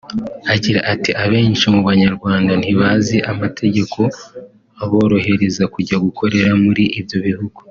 Agira ati "Abenshi mu Banyarwanda ntibazi amategeko aborohereza kujya gukorera muri ibyo bihugu